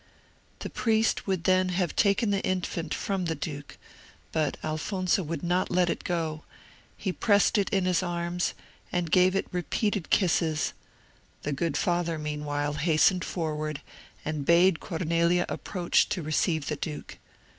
The priest would then have taken the infant from the duke, but Alfonso would not let it go; he pressed it in his arms, and gave it repeated kisses; the good father, meanwhile, hastened forward, and bade Cornelia approach to receive the duke.